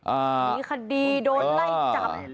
อ่าหนีคดีโดนไล่จับ